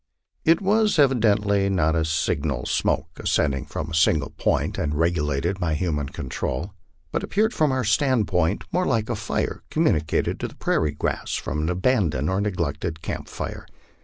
It was evidently not a signal smoke ascending from a single point and regulated by human control but appeared from our standpoint more like a fire communicated to the prairie grass from an abandoned or neglected camp fire.